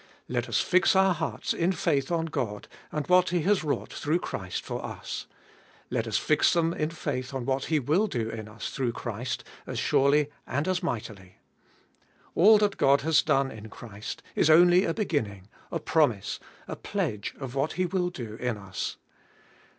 Let us fix our hearts in faith on God and what He has wrought through Christ for us. Let us fix them in faith on what He will do in us through Christ, as surely and as mightily. All that God has done in Christ is only a beginning, a promise, a pledge of what He will do in us.